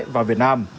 và việt nam